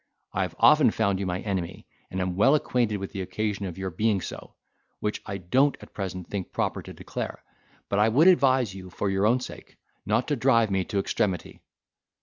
I have often found you my enemy, and am well acquainted with the occasion of your being so, which I don't at present think proper to declare; but I would advise you, for your own sake, not to drive me to extremity."